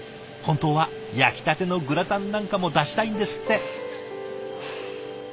本当は焼きたてのグラタンなんかも出したいんですって。